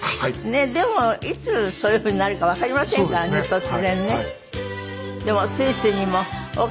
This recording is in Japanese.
でもいつそういうふうになるかわかりませんからね突然ね。